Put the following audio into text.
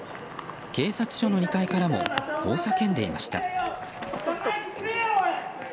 警察署の２階からもこう叫んでいました。